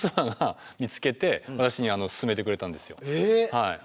はい。